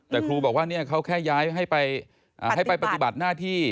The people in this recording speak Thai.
แต่ครูบอกว่าเขาแค่ย้ายให้ไปปฏิบัติหน้าที่